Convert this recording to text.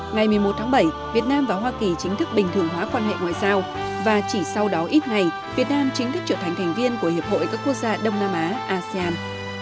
ngày một mươi một tháng bảy việt nam và hoa kỳ chính thức bình thường hóa quan hệ ngoại giao và chỉ sau đó ít ngày việt nam chính thức trở thành thành viên của hiệp hội các quốc gia đông nam á asean